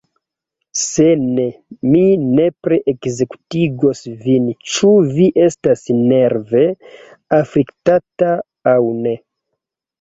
Se ne, mi nepre ekzekutigos vin, ĉu vi estas nerve afliktata, aŭ ne.